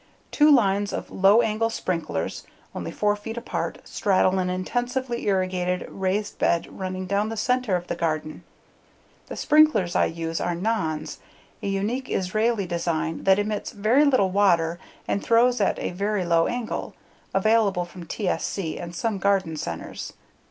Two lines of low angle sprinklers, only 4 feet apart, straddle an intensively irrigated raised bed running down the center of the garden. The sprinklers I use are Naans, a unique Israeli design that emits very little water and throws at a very low angle (available from TSC and some garden centers).